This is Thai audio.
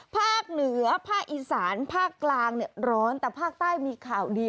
ภาคเหนือภาคอีสานภาคกลางเนี่ยร้อนแต่ภาคใต้มีข่าวดี